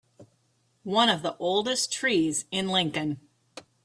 One of the oldest trees in Lincoln.